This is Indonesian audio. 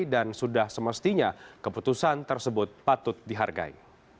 dan sudah semestinya keputusan tersebut patut dihargai